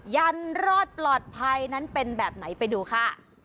ยันรอดปลอดภัยนั้นเป็นแบบไหนไปดูค่ะ